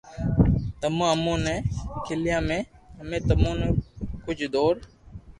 تمو امون ني خلڪيا ھي امي تمو نو ڪجھ دور